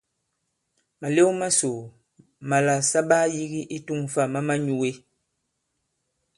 Màlew masò màlà sa ɓaa yīgi i tu᷇ŋ fâ ma manyūe.